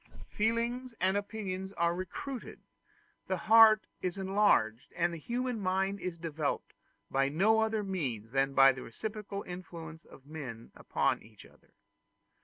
Feelings and opinions are recruited, the heart is enlarged, and the human mind is developed by no other means than by the reciprocal influence of men upon each other.